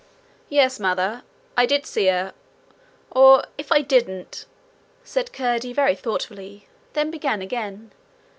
'Yes, Mother, I did see her or if I didn't ' said Curdie very thoughtfully then began again.